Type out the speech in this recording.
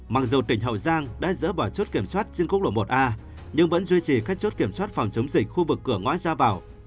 mặc dù tỉnh hậu giang đã dỡ bỏ chốt kiểm soát trên quốc lộ một a nhưng vẫn duy trì các chốt kiểm soát phòng chống dịch khu vực cửa ngõ ra vào